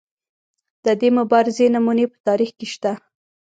د دې مبارزې نمونې په تاریخ کې شته.